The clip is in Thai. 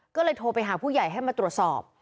ก็เลยโทรไปหาผู้ใหญ่ให้มาตรวจสอบ